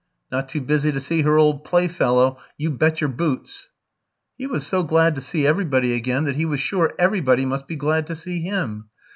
"Not too busy to see her old playfellow, you bet your boots." He was so glad to see everybody again that he was sure everybody must be glad to see him.